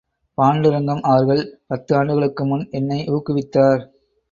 பாண்டுரங்கம் அவர்கள் பத்து ஆண்டுகளுக்கு முன் என்னை ஊக்குவித்தார்.